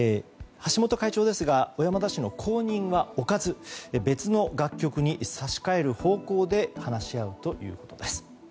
橋本会長ですが小山田氏の後任は置かず別の楽曲に差し替える方向で話し合うということです。